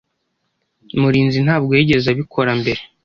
Murinzi ntabwo yigeze abikora mbere.